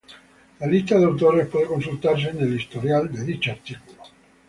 La lista de autores puede consultarse en el historial de dicho artículo.